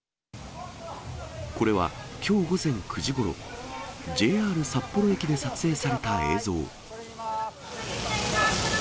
これはきょう午前９時ごろ、ＪＲ札幌駅で撮影された映像。